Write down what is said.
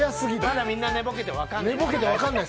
まだみんな寝ぼけて分かんない。